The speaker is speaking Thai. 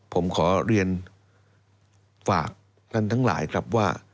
ผมขอเรียนฝากท่านทั้งหลายครับว่า